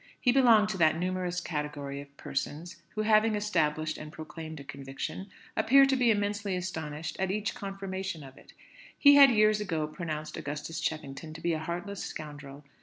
He belonged to that numerous category of persons who, having established and proclaimed a conviction, appear to be immensely astonished at each confirmation of it. He had years ago pronounced Augustus Cheffington to be a heartless scoundrel.